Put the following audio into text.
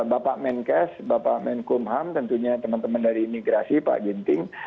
bapak menkes bapak menkumham tentunya teman teman dari imigrasi pak ginting